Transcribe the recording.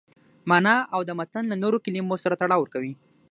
مانا او د متن له نورو کلمو سره تړاو ورکوي.